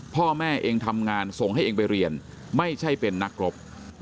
พ่อแม่เองทำงานส่งให้เองไปเรียนไม่ใช่เป็นนักรบ